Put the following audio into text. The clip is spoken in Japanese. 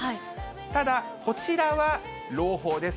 ただ、こちらは朗報です。